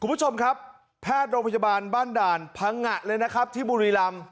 คุณผู้ชมครับแพทย์โรงพยาบาลบ้านด่านพังงะเลยนะครับที่บุรีรำ